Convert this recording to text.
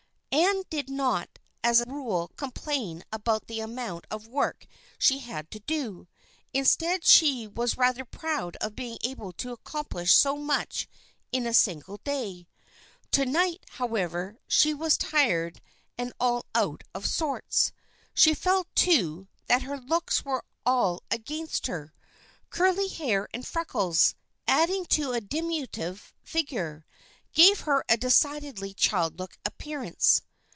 Ann did not as a rule complain about the amount of work she had to do. Instead, she was rather proud of being able to accomplish so much in a single day. To night, however, she was tired and all out of sorts. She felt, too, that her looks were all against her. Curly hair and freckles, added to a diminutive figure, gave her a decidedly childlike appearance.